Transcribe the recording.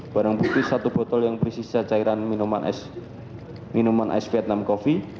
barang bukti satu botol yang berisi sisa cairan minuman es vietnam coffee